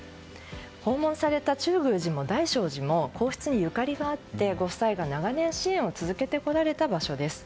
訪問された中宮寺も大聖寺も皇室にゆかりがあってご夫妻が長年支援を続けてこられた場所です。